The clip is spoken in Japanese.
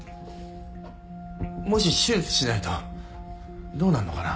もし手術しないとどうなるのかな？